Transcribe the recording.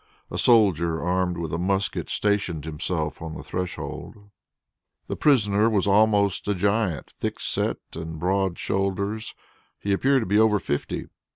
A soldier armed with a musket stationed himself on the threshold. The prisoner was almost a giant, thickset and broad shouldered. He appeared to be over fifty.